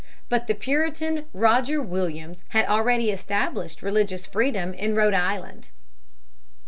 But the Puritan, Roger Williams, had already established religious freedom in Rhode Island (p.